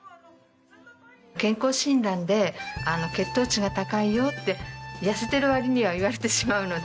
健康診断で血糖値が高いよって痩せてる割には言われてしまうので。